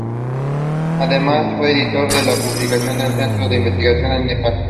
Además, fue editor de las publicaciones del Centro de Investigación de Nepal.